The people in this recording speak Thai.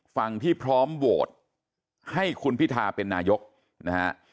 ฝั่งที่พร้อมโหวตให้คุณพิทาเป็นนายกนะฮะ